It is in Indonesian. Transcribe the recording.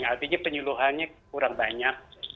artinya penyuluhannya kurang banyak